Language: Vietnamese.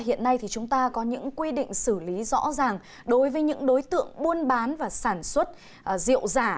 hiện nay thì chúng ta có những quy định xử lý rõ ràng đối với những đối tượng buôn bán và sản xuất rượu giả